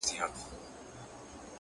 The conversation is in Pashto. o سیاه پوسي ده؛ ژوند تفسیرېږي؛